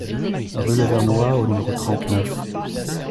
Rue Le Vernois au numéro trente-neuf